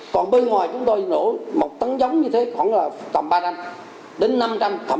còn bên ngoài chúng tôi nổ một tấn giống như thế khoảng là tầm ba trăm đến năm trăm thậm chí bảy trăm